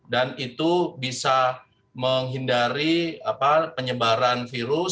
dan itu bisa menghindari penyebaran virus